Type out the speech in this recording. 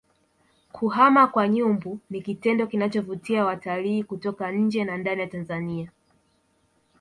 kuhama kwa nyumbu ni kitendo kinachovutia watalii kutoka nje na ndani ya Tanzania